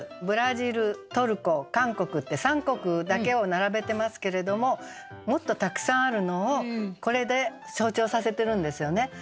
「ブラジル」「トルコ」「韓国」って３国だけを並べてますけれどももっとたくさんあるのをこれで象徴させてるんですよね。